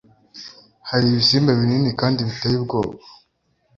hari ibisimba binini kandi biteye ubwoba